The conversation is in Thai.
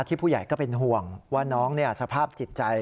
ผู้ใหญ่ก็เป็นห่วงว่าน้องสภาพจิตใจ